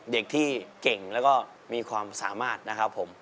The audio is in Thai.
เด็กที่เก่งแล้วก็มีความสามารถนะครับผม